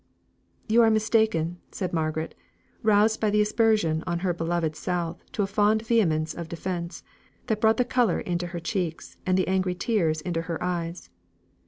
"You are mistaken," said Margaret, roused by the aspersion on her beloved South to a fond vehemence of defence, that brought the colour into her cheeks and the angry tears into her eyes.